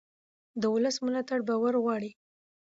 د ولس ملاتړ باور غواړي